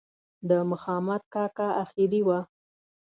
د مخامد کاکا آخري وه.